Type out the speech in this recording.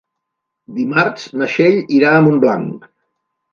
Dimarts na Txell irà a Montblanc.